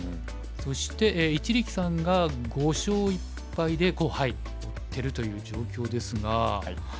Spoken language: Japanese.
そして一力さんが５勝１敗で入っているという状況ですが。